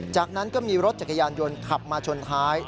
จากนั้นก็มีรถจักรยานยนต์ขับมาชนท้าย